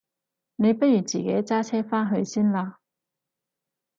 你不如自己揸車返去先啦？